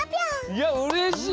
いやうれしい！